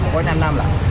pokoknya enam lah